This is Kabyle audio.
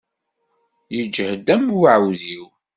Yeǧhed am uɛewdiw.